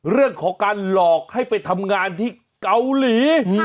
เรื่องของการหลอกให้ไปทำงานที่เกาหลี